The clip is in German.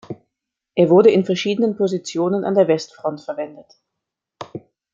Er wurde in verschiedenen Positionen an der Westfront verwendet.